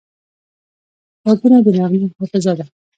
غوږونه د نغمو حافظه ده